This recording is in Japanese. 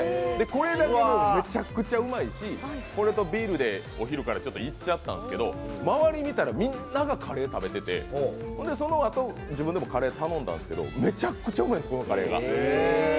これだけでもめちゃくちゃうまいしこれとビールでお昼からいっちゃったんですけど、周り見たらみんながカレー食べててそのあと自分でもカレー頼んだんですけどめちゃくちゃうまいんですこのカレーが。